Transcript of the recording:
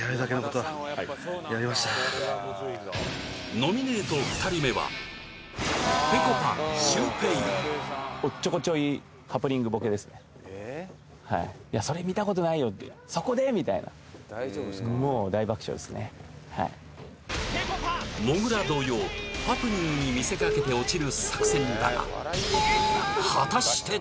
ノミネート２人目はもぐら同様ハプニングに見せかけて落ちる作戦だが果たして？